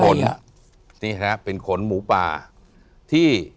เป็นขนนี่นะเป็นขนหมูป่าที่